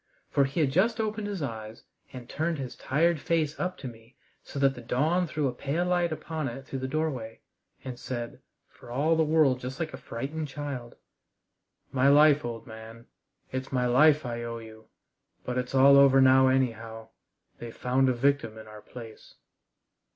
For he just opened his eyes and turned his tired face up to me so that the dawn threw a pale light upon it through the doorway, and said, for all the world just like a frightened child: "My life, old man it's my life I owe you. But it's all over now anyhow. They've found a victim in our place!"